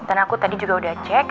dan aku tadi juga udah cek